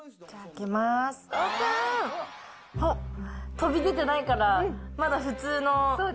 飛び出てないから、まだ普通の。